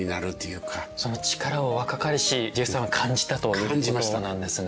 その力を若かりしジェフさんは感じたということなんですね。